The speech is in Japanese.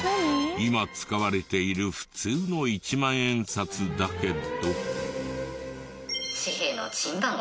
今使われている普通の一万円札だけど。